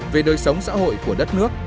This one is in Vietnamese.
về đời sống xã hội của đất nước